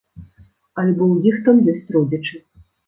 Альбо ў іх там ёсць родзічы.